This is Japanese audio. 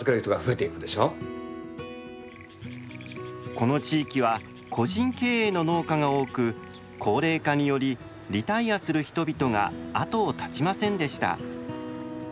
この地域は個人経営の農家が多く高齢化によりリタイアする人々が後を絶ちませんでした。